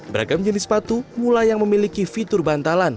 beragam jenis sepatu mulai yang memiliki fitur bantalan